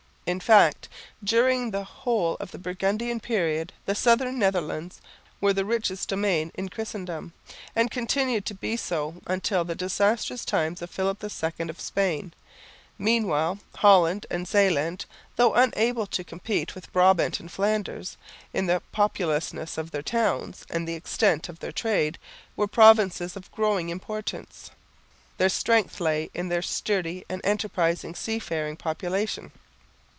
In fact during the whole of the Burgundian period the southern Netherlands were the richest domain in Christendom, and continued to be so until the disastrous times of Philip II of Spain. Meanwhile Holland and Zeeland, though unable to compete with Brabant and Flanders in the populousness of their towns and the extent of their trade, were provinces of growing importance. Their strength lay in their sturdy and enterprising sea faring population.